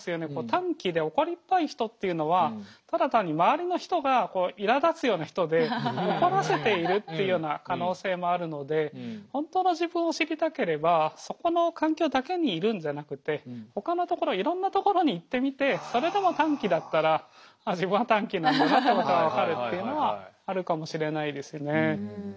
短気で怒りっぽい人っていうのはただ単に周りの人がいらだつような人で怒らせているっていうような可能性もあるので本当の自分を知りたければそこの環境だけにいるんじゃなくてほかの所いろんな所に行ってみてそれでも短気だったらあっ自分は短気なんだなってことが分かるっていうのはあるかもしれないですね。